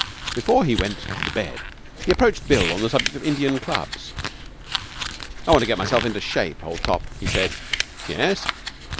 Before he went to bed he approached Bill on the subject of Indian clubs. 'I want to get myself into shape, old top,' he said. 'Yes?'